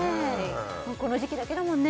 この時期だけだもんね